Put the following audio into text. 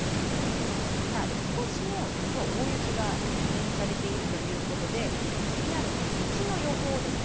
さあ今年も実は大雪が懸念されているということで気になる雪の予報をですね